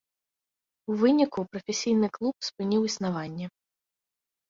У выніку прафесійны клуб спыніў існаванне.